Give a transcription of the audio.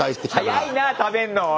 早いな食べんのおい。